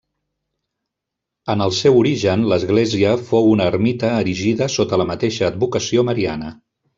En el seu origen l'església fou una ermita erigida sota la mateixa advocació mariana.